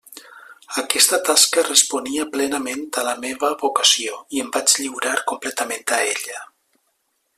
Aquesta tasca responia plenament a la meva vocació, i em vaig lliurar completament a ella.